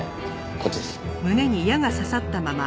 こっちです。